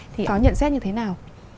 thì có nhận xét như thế nào